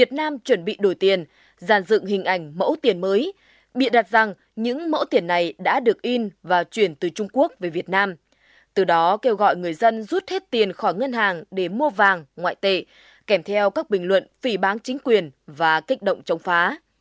tiền khỏi ngân hàng để mua vàng ngoại tệ kèm theo các bình luận phỉ bán chính quyền và kích động chống phá